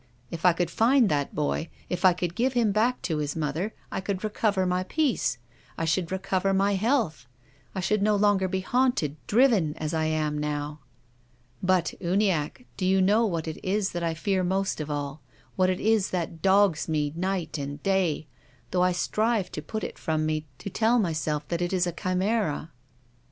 If I could find that boy, if I could give him back to his mother, I should recover my peace, I should recover my health — I should no longer be haunted, driven as I am now. But, Uniackc, do you know what it is that I fear most of all, what it is that dogs me, night and d;'v ; though I strive to put it from me, to tell myself that it is a chimera?"